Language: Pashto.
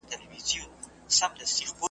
همېشه به یې تور ډک وو له مرغانو .